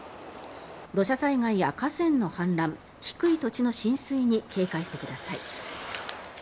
土砂災害や河川の氾濫低い土地の浸水に警戒してください。